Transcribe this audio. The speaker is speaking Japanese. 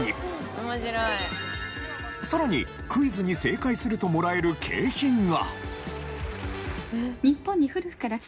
さらにクイズに正解するともらえる景品が。